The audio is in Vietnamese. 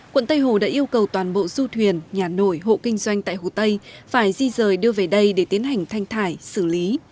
quận tây hồ đã yêu cầu toàn bộ du thuyền nhà nổi hộ kinh doanh tại hồ tây phải di rời đưa về đây để tiến hành thanh thải xử lý